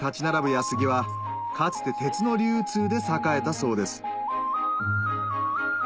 安来はかつて鉄の流通で栄えたそうです